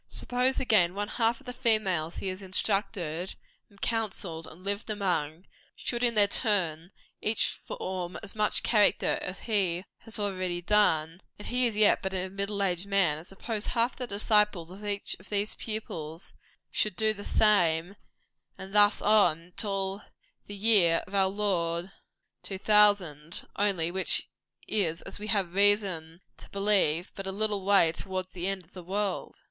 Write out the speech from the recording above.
Suppose again one half of the females he has instructed and counselled and lived among, should, in their turn, each form as much character as he has already done and he is yet but a middle aged man; and suppose half the disciples of each of these pupils in their turn should do the same, and thus on, till the year of our Lord 2000, only, which is, as we have reason to believe, but a little way towards the end of the world.